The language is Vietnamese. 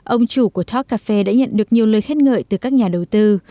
ông chủ của talk cafe đã nhận được nhiều lời khét ngợi từ các nhà đầu tư